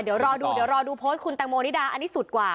เดี๋ยวรอดูเดี๋ยวรอดูโพสต์คุณแตงโมนิดาอันนี้สุดกว่า